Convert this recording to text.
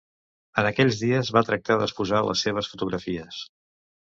En aquells dies, va tractar d'exposar les seves fotografies.